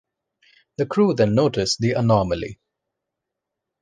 The crew then noticed the anomaly.